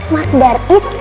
mak dari itu